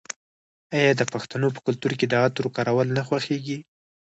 آیا د پښتنو په کلتور کې د عطرو کارول نه خوښیږي؟